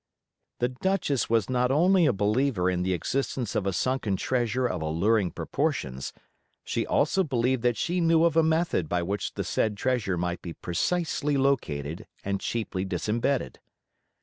The Duchess was not only a believer in the existence of a sunken treasure of alluring proportions; she also believed that she knew of a method by which the said treasure might be precisely located and cheaply disembedded.